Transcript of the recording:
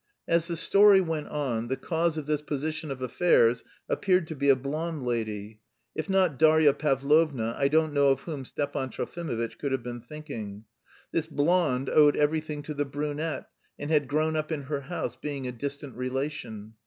As the story went on, the cause of this position of affairs appeared to be a blonde lady (if not Darya Pavlovna I don't know of whom Stepan Trofimovitch could have been thinking), this blonde owed everything to the brunette, and had grown up in her house, being a distant relation.